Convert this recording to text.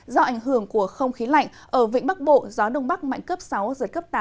do ảnh hưởng của không khí lạnh ở vĩnh bắc bộ gió đông bắc mạnh cấp sáu giật cấp tám